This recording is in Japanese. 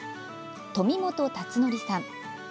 富本龍徳さん。